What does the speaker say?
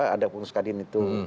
ada pungskadin itu